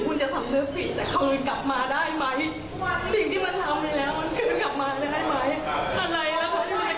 ผู้หญิงกับเด็กตัวเล็กมึงก็อยากคัดค้างกันกับการเงิน